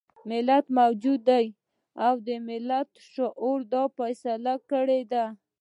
ملت موجود دی او د ملت شعور دا فيصله کړې ده.